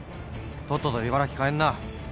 とっとと茨城帰んな。